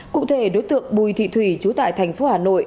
cụ thể đối tượng bùi thị thủy chú tại thành phố hà nội